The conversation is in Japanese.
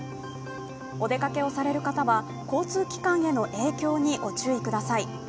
お出かけをされる方は交通機関への影響にご注意ください。